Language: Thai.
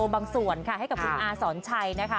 บังส่วนคา